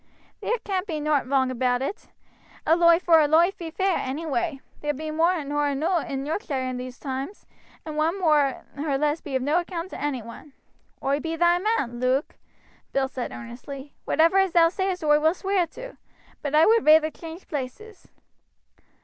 "There can't be nowt wrong about it a loife vor a loife be fair, any way. There be more nor eno' in Yorkshire in these toimes, and one more or less be of no account to any one." "Oi be thy man, Luke," Bill said earnestly. "Whatever as thou sayest oi will sweer to; but I would reyther change places."